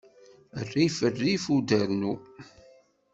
Rrif rrif udarnu.